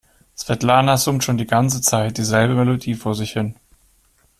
Svetlana summt schon die ganze Zeit dieselbe Melodie vor sich hin.